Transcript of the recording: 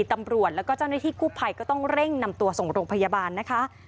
ตำรวจแล้วก็เจ้าหน้าที่กู้ภัยก็ต้องเร่งนำตัวส่งโรงพยาบาลนะคะ